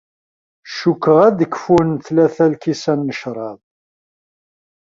Cukkeɣ ad d-kfun tlata n lkisan n ccrab.